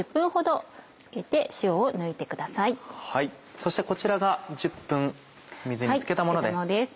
そしてこちらが１０分水につけたものです。